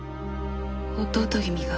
弟君が。